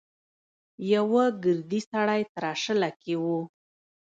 يوه ګردي سړی تراشله کې و.